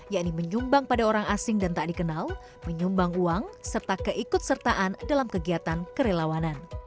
yakni menyumbang pada orang asing dan tak dikenal menyumbang uang serta keikut sertaan dalam kegiatan kerelawanan